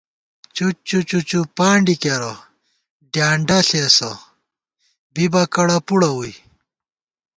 چُچّو چُچّوپانڈی کېرہ، ڈیانڈہ ݪېسہ، بِبہ کڑہ پُڑہ ووئی